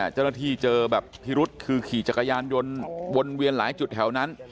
เจ้าหน้าที่เจอแบบพิรุษคือขี่จักรยานยนต์วนเวียนหลายจุดแถวนั้น